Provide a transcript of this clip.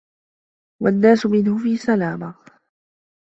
وَالنَّاسُ مِنْهُ فِي سَلَامَةٍ